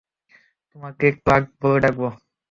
তোমাকে ক্লার্ক বলে ডাকবো?